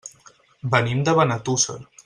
Venim de Benetússer.